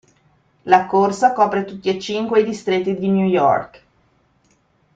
La corsa copre tutti e cinque i distretti di New York.